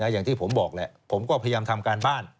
อย่างที่ผมบอกแหละผมก็พยายามทำการบ้าน